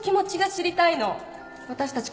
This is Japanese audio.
私たち